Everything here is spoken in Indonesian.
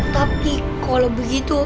tapi kalau begitu